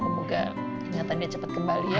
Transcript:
semoga ingatan dia cepet kembali ya